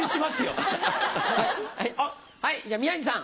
はいじゃあ宮治さん。